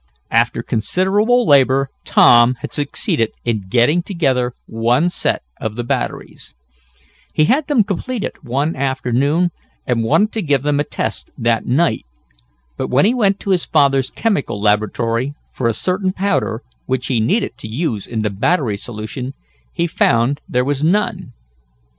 After considerable labor Tom had succeeded in getting together one set of the batteries. He had them completed one afternoon, and wanted to give them a test that night. But, when he went to his father's chemical laboratory for a certain powder, which he needed to use in the battery solution, he found there was none.